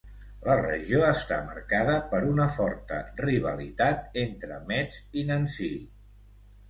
La regió està marcada per una forta rivalitat entre Metz i Nancy.